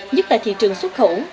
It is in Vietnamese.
nhất tại thị trường xuất khẩu